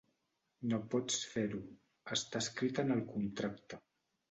No pots fer-ho, està escrit en el contracte.